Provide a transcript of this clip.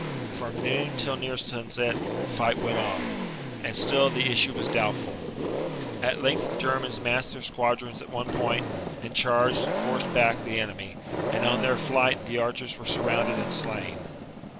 From noon till near sunset the fight went on ; and still the issue was doubtful. At length the Germans massed their squadrons at one point, and charged and forced back the enemy ; and on their flight the archers were surrounded and slain.